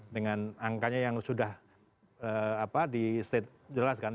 dengan angkanya yang sudah apa di state jelas kan empat puluh delapan lima puluh dua